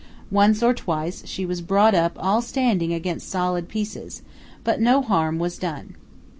Once or twice she was brought up all standing against solid pieces, but no harm was done.